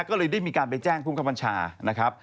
ก็เลยได้มีการไปแจ้งภูมิคับบัญชานะครับ